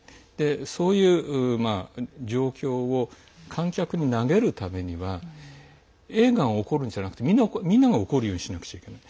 そういう状況を観客に投げるためには映画を怒るんじゃなくてみんなが怒らなくちゃいけない。